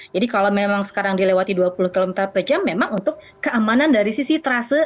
jadi kalau memang sekarang dilewati dua puluh km per jam memang untuk keamanan dari sisi terasa